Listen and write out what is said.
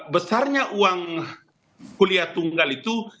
besarnya uang kuliah tunggal itu